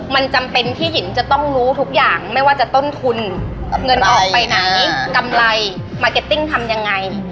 มันจำเป็นที่หญิงจะต้องรู้ทุกอย่างไม่ว่าจะต้นทุนเงินออกไปไหนกำไรมาร์เก็ตติ้งทำยังไง